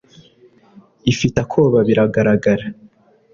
ifite akoba biragaragara